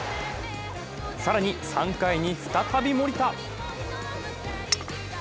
更に３回に再び森田。